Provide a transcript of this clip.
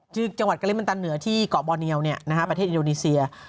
จังหวัดกะลิมันตันเหนือที่เกาะบอเนียลประเทศอินโดนีเซีย